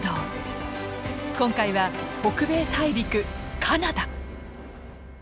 今回は北米大陸カナダ！